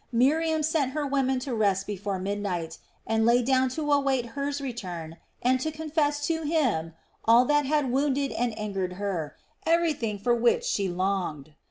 Miriam sent her women to rest before midnight, and lay down to await Hur's return and to confess to him all that had wounded and angered her, everything for which she longed.